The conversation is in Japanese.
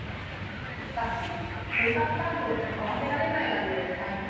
しかし生活環境に合わせられないがゆえのサイン